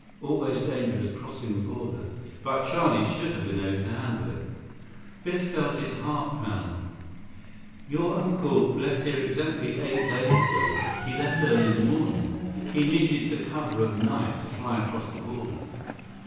Always dangerous crossing the border. But Charlie should have been able to handle it." Biff felt his heart pound. "Your uncle left here exactly eight days ago. He left early in the morning. He needed the cover of night to fly across the border."